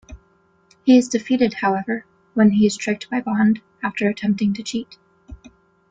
He is defeated, however, when he is tricked by Bond after attempting to cheat.